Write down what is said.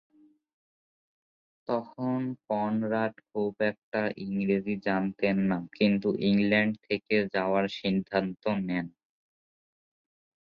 তখন কনরাড খুব একটা ইংরেজি জানতেন না কিন্তু ইংল্যান্ডে থেকে যাওয়ার সিদ্ধান্ত নেন।